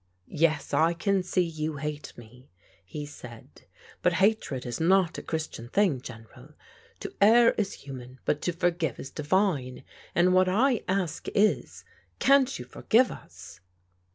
" Yes, I can see you hate me/' he said, " but hatred is not a Christian thing. General. *To err is human but to forgive is divine,' and what I ask is : can't you forgive us?"